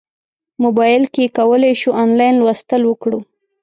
موبایل کې کولی شو انلاین لوستل وکړو.